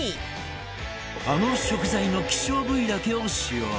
あの食材の希少部位だけを使用